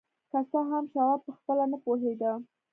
که څه هم شواب پخپله نه پوهېده.